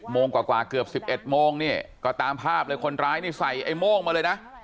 โมงกว่าเกือบ๑๑โมงเนี่ยก็ตามภาพเลยคนร้ายนี่ใส่ไอ้โม่งมาเลยนะ